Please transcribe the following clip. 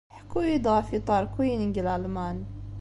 Ḥku-iyi-d ɣef Yiṭerkiyen deg Lalman.